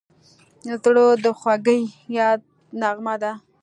زړه د خوږې یاد نغمه ده.